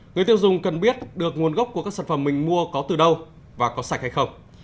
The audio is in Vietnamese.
người tiêu dùng cần biết được nguồn gốc của các sản phẩm mình mua có từ đâu và có sạch hay không